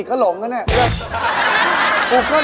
เจ๊